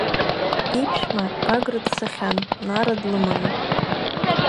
Иԥшәма Гагра дцахьан, Нара длыманы.